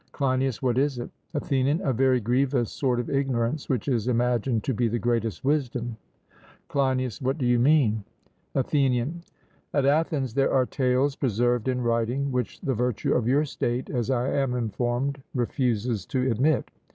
CLEINIAS: What is it? ATHENIAN: A very grievous sort of ignorance which is imagined to be the greatest wisdom. CLEINIAS: What do you mean? ATHENIAN: At Athens there are tales preserved in writing which the virtue of your state, as I am informed, refuses to admit.